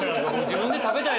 自分で食べたいの。